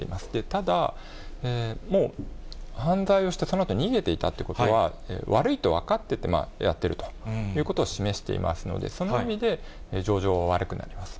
ただ、もう犯罪をした、そのあと逃げていたということは、悪いと分かっててやってるということを示していますので、その意味で、情状は悪くなります。